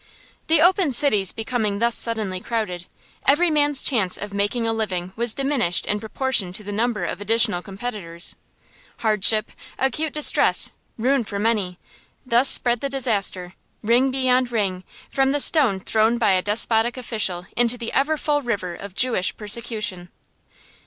The open cities becoming thus suddenly crowded, every man's chance of making a living was diminished in proportion to the number of additional competitors. Hardship, acute distress, ruin for many: thus spread the disaster, ring beyond ring, from the stone thrown by a despotic official into the ever full river of Jewish persecution.